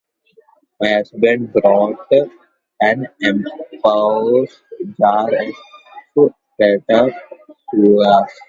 My husband bought an enormous jar of tartar sauce.